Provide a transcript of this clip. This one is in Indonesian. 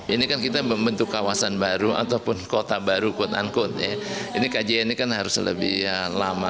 ini kan kita membentuk kawasan baru ataupun kota baru quote unquote ya ini kajiannya kan harus lebih lama